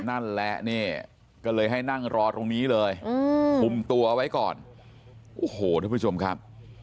นั่นแหละนี่ก็เลยให้นั่งรอตรงนี้เลยคุมตัวไว้ก่อนโอ้โหทุกผู้ชมครับ